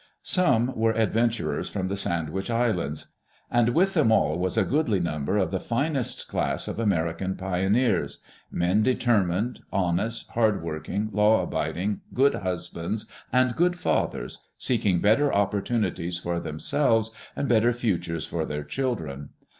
Some were adventurers from the Sandwich Islands. And with them all was a goodly number of the finest class of American pioneers — men determined, honest, hard working, law abiding, good husbands and good fathers, seeking better opportunities for themselves and better futures for their children.